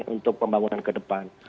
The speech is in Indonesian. untuk pembangunan ke depan